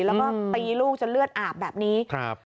แล้วก็ตีลูกจนเลือดอาบแบบนี้ครับ